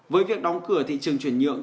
với việc đóng cửa thị trường chuyển nhượng